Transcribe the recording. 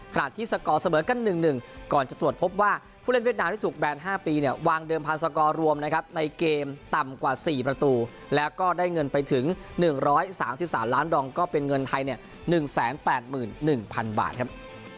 ขณะที่สกอร์เสมอกัน๑๑ก่อนจะตรวจพบว่าผู้เล่นเวียดนามที่ถูกแบน๕ปีเนี่ยวางเดิมพันสกอร์รวมนะครับในเกมต่ำกว่า๔ประตูแล้วก็ได้เงินไปถึง๑๓๓ล้านดองก็เป็นเงินไทย๑๘๑๐๐๐บาทครับ